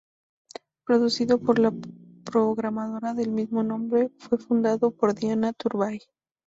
Producido por la programadora del mismo nombre, fue fundado por Diana Turbay.